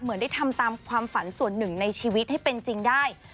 เหมือนได้ทำตามความฝันส่วนหนึ่งในชีวิตให้เป็นจริงได้